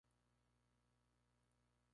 Fue miembro de Acción Electoral Solidaridad.